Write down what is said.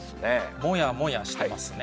もやもやしてますね。